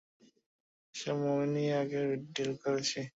এসব মমি নিয়ে এর আগেও ডিল করেছি!